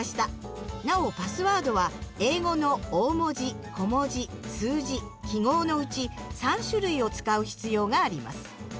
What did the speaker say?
なおパスワードは英語の大文字小文字数字記号のうち３種類を使う必要があります。